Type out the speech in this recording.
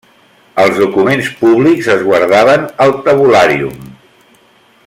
Els documents públics es guardaven al tabulàrium.